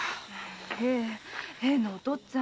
ええヘンなお父っつぁん。